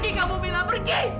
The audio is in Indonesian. pergi kamu mila pergi